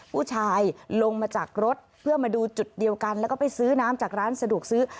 ผู้ชายลงมาจากรถเพื่อมาดูจุดเดียวกันแล้วก็ไปซื้อน้ำจากร้านสะดวกซื้อ